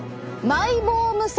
マイボーム腺！